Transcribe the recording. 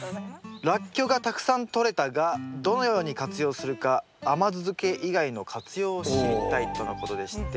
「ラッキョウがたくさんとれたがどのように活用するか甘酢漬け以外の活用を知りたい」とのことでして。